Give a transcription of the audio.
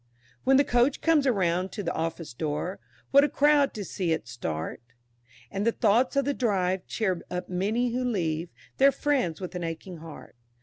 When the Coach comes round to the office door, What a crowd to see it start, And the thoughts of the drive, cheer up many who leave Their friends with an aching heart.